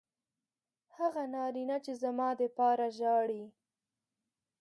هغه نارینه چې زما دپاره ژاړي